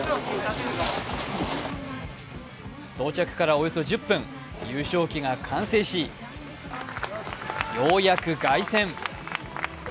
到着からおよそ１０分優勝旗が完成しようやく凱旋。